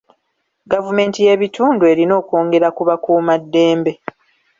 Gavumenti y'ebitundu erina okwongera ku bakuumaddembe.